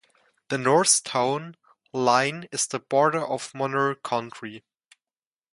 The north town line is the border of Monroe County.